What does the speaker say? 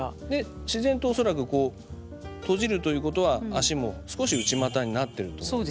自然と恐らくこう閉じるということは足も少し内股になってると思います。